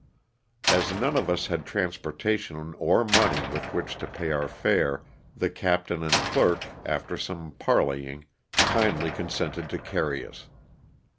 As none of us had transportation or money with which to pay our fare the captain and clerk, after some parley ing, kindly consented to carry us.